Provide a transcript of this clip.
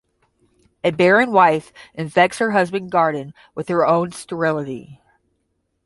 A barren wife infects her husband's garden with her own sterility.